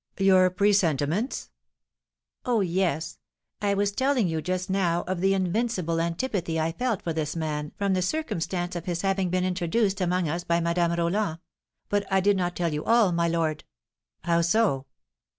"Your presentiments?" "Oh, yes! I was telling you just now of the invincible antipathy I felt for this man from the circumstance of his having been introduced among us by Madame Roland; but I did not tell you all, my lord." "How so?"